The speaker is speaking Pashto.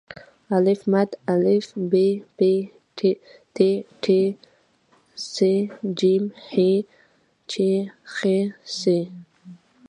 آا ب پ ت ټ ث ج ح چ خ څ